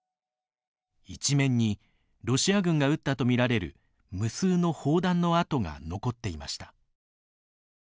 一面にロシア軍が撃ったとみられる無数の砲弾の痕が残っていました。